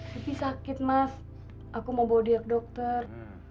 tapi sakit mas aku mau bawa dia ke dokter